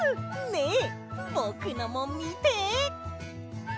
ねえぼくのもみて。